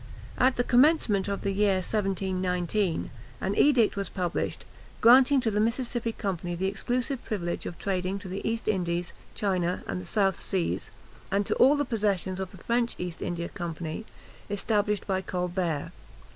At the commencement of the year 1719, an edict was published, granting to the Mississippi Company the exclusive privilege of trading to the East Indies, China, and the South Seas, and to all the possessions of the French East India Company, established by Colbert.